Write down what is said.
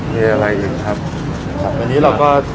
มีอะไรอีกครับครับวันนี้เราก็